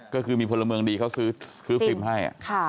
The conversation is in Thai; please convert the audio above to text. ก็คือมีผลเมืองดีเขาซื้อคลิปฟริมให้